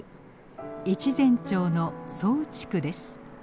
越前町の左右地区です。